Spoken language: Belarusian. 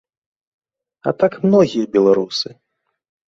А так многія беларусы.